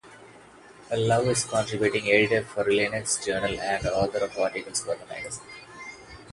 Love is Contributing Editor for Linux Journal and author of articles for the magazine.